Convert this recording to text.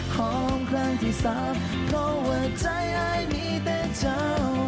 ของครั้งที่สามเพราะแหวกใจอายมีแต่เจ้า